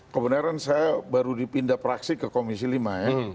kebenaran saya baru dipindah praksi ke komisi lima ya